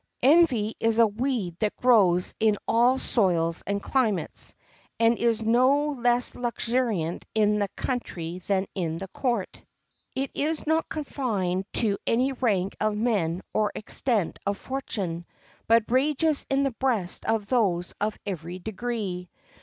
Envy is a weed that grows in all soils and climates, and is no less luxuriant in the country than in the court. It is not confined to any rank of men or extent of fortune, but rages in the breast of those of every degree.